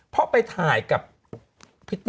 พอไปถ่ายกับพิตติ